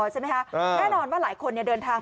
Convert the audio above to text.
ใช่ไหมคะแน่นอนว่าหลายคนเดินทาง